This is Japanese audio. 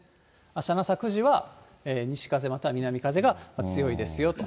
あしたの朝９時は、西風、または南風が強いですよと。